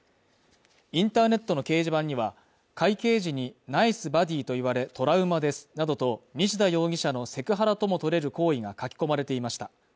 インターネットの掲示板には、会計時にナイスバディーと言われ、トラウマですなどと西田容疑者のセクハラともとれる行為が書き込まれていました。